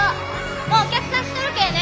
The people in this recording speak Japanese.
もうお客さん来とるけぇね！